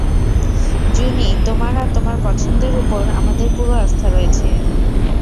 জুনি, তোমার আর তোমার পছন্দের উপর আমাদের পুরো আস্থা রয়েছে।